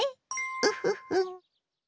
ウフフ。